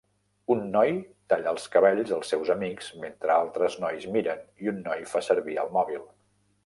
Un noi talla els cabells als seus amics mentre altres nois miren i un noi far servir el mòbil.